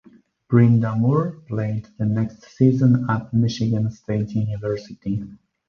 Brind'Amour played the next season at Michigan State University.